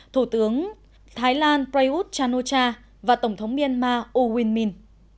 thủ tướng thái lan prayuth chan o cha và tổng thống myanmar u win min